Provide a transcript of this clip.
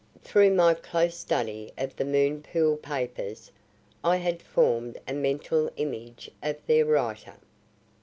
Through my close study of the Moon Pool papers I had formed a mental image of their writer.